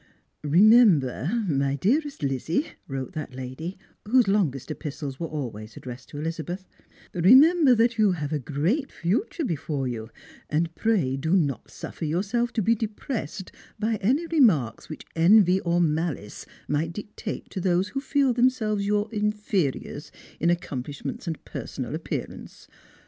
Eemember, my dearest Lizzie," wrote that lady, wh ose longest epistles were always addressed to Elizabeth —" remember that you have a great future before you, and pray do not suffer yourself to be depressed bj" any remarks which envy or vialice may dictate to those who feel themselves your inferiors in accom plishments and 'personal appearance.